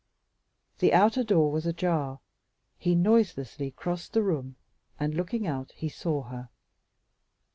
The outer door was ajar; he noiselessly crossed the room, and looking out, he saw her.